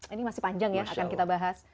ini masih panjang ya akan kita bahas